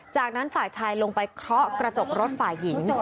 จากนั้นฝ่ายชายลงไปเคาะกระจกรถฝ่ายหญิง